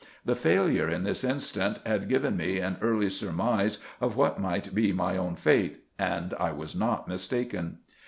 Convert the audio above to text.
The failure in this instance had given me an early surmise of what might be mv own fate ; and I was not mistaken.